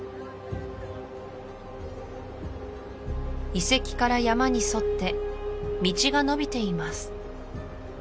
遺跡から山に沿って道がのびています